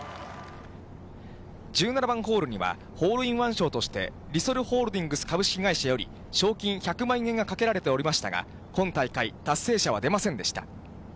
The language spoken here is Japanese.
１７番ホールには、ホールインワン賞として、リソルホールディングス株式会社より、賞金１００万円がかけられておりましたが、今大会、達成者は出ませんでした。